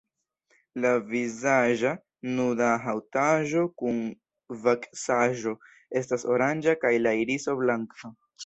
La vizaĝa nuda haŭtaĵo kun vaksaĵo estas oranĝa kaj la iriso blanka.